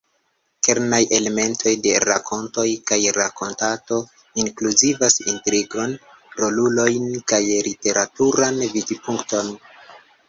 Kernaj elementoj de rakontoj kaj rakontado inkluzivas intrigon, rolulojn, kaj literaturan vidpunkton.